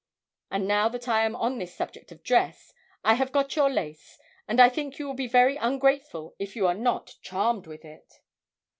And now that I am on this subject of dress, I have got your lace; and I think you will be very ungrateful if you are not charmed with it."